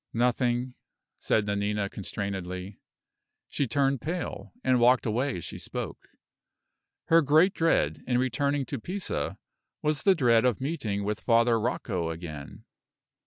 "Nothing," said Nanina, constrainedly. She turned pale, and walked away as she spoke. Her great dread, in returning to Pisa, was the dread of meeting with Father Rocco again.